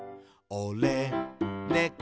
「おれ、ねこ」